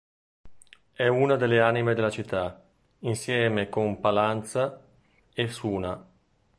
È una delle anime della città, insieme con Pallanza e Suna.